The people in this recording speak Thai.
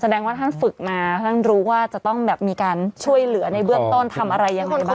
ว่าท่านฝึกมาท่านรู้ว่าจะต้องแบบมีการช่วยเหลือในเบื้องต้นทำอะไรยังไงบ้าง